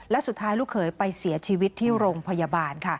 และสุดท้ายลูกเขยไปเสียชีวิตที่โรงพยาบาล